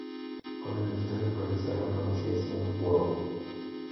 Con el extra de localizar la conocida señal Wow!